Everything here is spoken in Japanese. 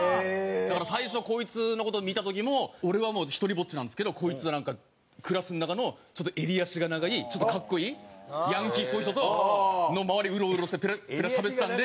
だから最初こいつの事見た時も俺は独りぼっちなんですけどこいつはなんかクラスの中の襟足が長いちょっと格好いいヤンキーっぽい人の周りをうろうろしてペラッペラしゃべってたんで。